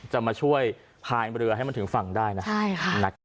จะมาช่วยพายเรือให้มันถึงฝั่งได้นะ